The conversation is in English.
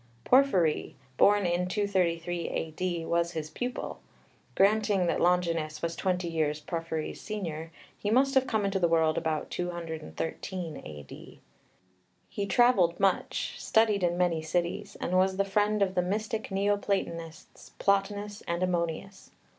Porphyry, born in 233 A.D., was his pupil: granting that Longinus was twenty years Porphyry's senior, he must have come into the world about 213 A.D. He travelled much, studied in many cities, and was the friend of the mystic Neoplatonists, Plotinus and Ammonius.